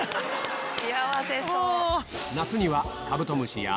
幸せそう！